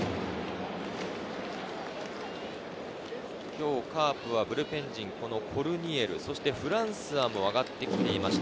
今日カープはブルペン陣、コルニエル、そしてフランスアも上がってきています。